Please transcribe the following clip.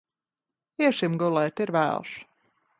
Iesim gulēt, ir vēls!